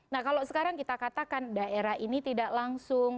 nah kalau sekarang kita katakan daerah ini tidak langsung